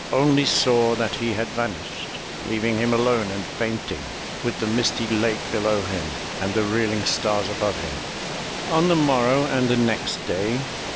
Only saw that he had vanished. Leaving him alone and fainting. With the misty lake below him, And the reeling stars above him. On the morrow and the next day.